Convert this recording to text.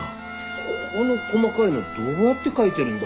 この細かいのどうやって描いてるんだ？